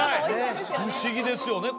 不思議ですよね